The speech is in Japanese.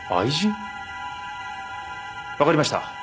わかりました。